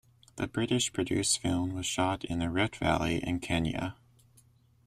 The British-produced film was shot in the Rift Valley in Kenya.